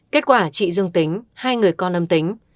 kết quả trị dương tính hai người con âm tính